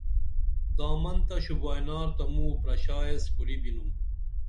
دامن تہ شوبائنار تہ موں پرشائیس کُری بِنُم